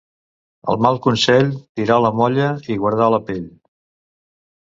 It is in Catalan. El mal consell, tirar la molla i guardar la pell.